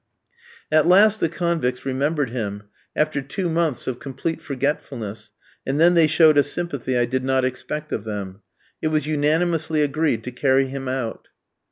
At last the convicts remembered him, after two months of complete forgetfulness, and then they showed a sympathy I did not expect of them. It was unanimously agreed to carry him out.